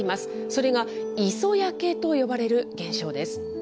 それが磯焼けと呼ばれる現象です。